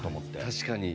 確かに。